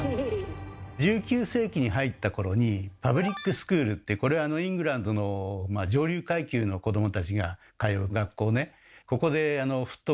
１９世紀に入った頃にパブリックスクールってこれはあのイングランドの上流階級の子どもたちが通う学校ね。